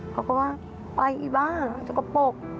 เขาก็ว่าไปอีบ้าสกปรก